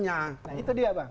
nah itu dia bang